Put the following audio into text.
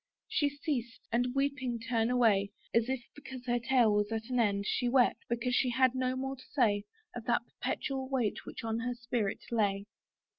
She ceased, and weeping turned away, As if because her tale was at an end She wept; because she had no more to say Of that perpetual weight which on her spirit lay.